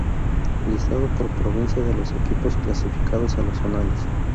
Listado por provincia de los equipos clasificados a los zonales.